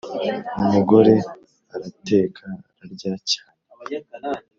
umugore arateka ararya cyane